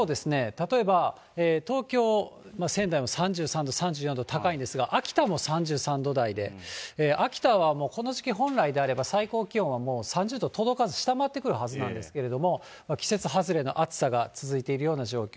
例えば東京、仙台も３３度、３４度、高いんですが、秋田も３３度台で、秋田はこの時期、本来であれば最高気温はもう３０度届かず、下回ってくるはずなんですけれども、季節外れの暑さが続いているような状況。